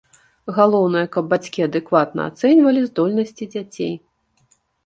Галоўнае, каб бацькі адэкватна ацэньвалі здольнасці дзяцей.